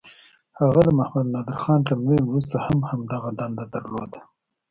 هغه د محمد نادرخان تر مړینې وروسته هم همدغه دنده درلوده.